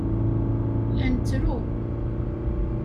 La nettru.